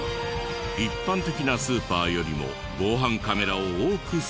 一般的なスーパーよりも防犯カメラを多く設置。